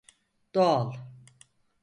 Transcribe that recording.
Doğal.